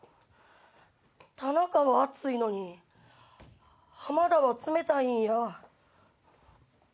田中が熱いのに浜田は冷たいんや。